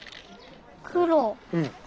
黒。